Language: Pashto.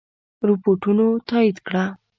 رپوټونو تایید کړه.